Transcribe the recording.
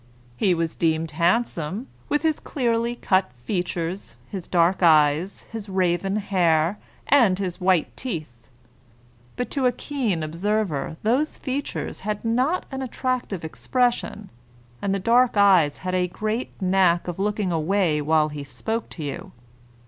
He was deemed handsome, with his clearly cut features, his dark eyes, his raven hair, and his white teeth; but to a keen observer those features had not an attractive expression, and the dark eyes had a great knack of looking away while he spoke to you.